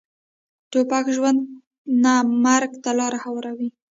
توپک ژوند نه، مرګ ته لاره هواروي.